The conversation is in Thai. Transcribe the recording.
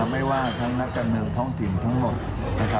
ไม่ว่าทั้งนักการเมืองท่องถิ่งทั้งหมด